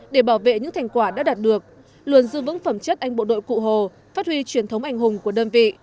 để bảo vệ những thành quả đã đạt được luôn giữ vững phẩm chất anh bộ đội cụ hồ phát huy truyền thống anh hùng của đơn vị